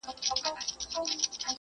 چي لا اوسي دلته قوم د جاهلانو `